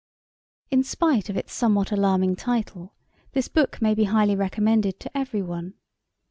In spite of its somewhat alarming title this book may be highly recommended to every one.